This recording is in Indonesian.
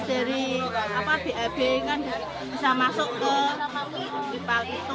nanti kan dari bib bisa masuk ke kipal itu